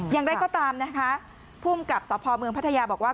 อย่างไรก็ตามนะคะภูมิกับสพเมืองพัทยาบอกว่า